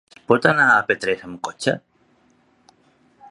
Es pot anar a Petrés amb cotxe?